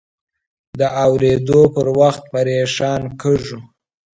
د اورېدو پر وخت پریشان کېږو.